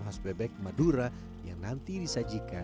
khas bebek madura yang nanti disajikan